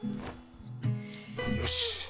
よし！